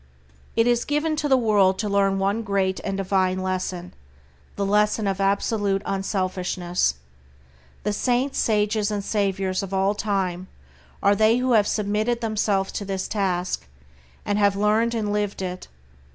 It is given to the world to learn one great and divine lesson, the lesson of absolute unselfishness. The saints, sages, and saviors of all time are they who have submitted themselves to this task, and have learned and lived it.